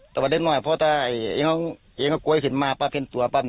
แต่ว่าเด็กหน่อยเพราะถ้าไอ้น้องไอ้น้องกล้วยขึ้นมาปะเพราะเป็นตัวปะ